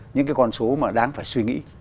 những cái con số mà đáng phải suy nghĩ